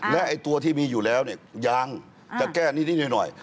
และตัวที่มีอยู่แล้วยางจะแก้นิดหน่อย